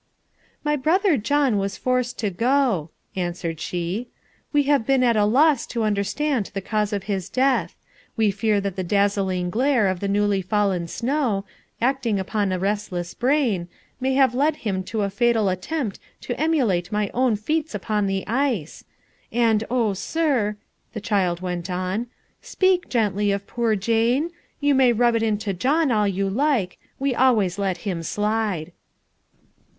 "My brother John was forced to go," answered she. "We have been at a loss to understand the cause of his death. We fear that the dazzling glare of the newly fallen snow, acting upon a restless brain, may have led him to a fatal attempt to emulate my own feats upon the ice. And, oh, sir," the child went on, "speak gently of poor Jane. You may rub it into John all you like; we always let him slide."